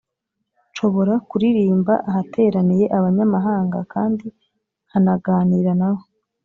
nshobora kuririmba ahateraniye abanyamahanga kandi nkanaganira na bo.